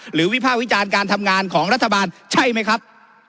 วิภาควิจารณ์การทำงานของรัฐบาลใช่ไหมครับ